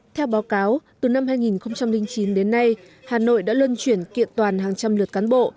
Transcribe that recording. theo báo cáo từ năm hai nghìn chín đến nay hà nội đã luân chuyển kiện toàn hàng trăm lượt cán bộ